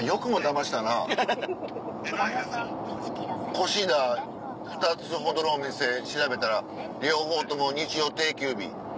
越田２つほどのお店調べたら両方とも日曜定休日。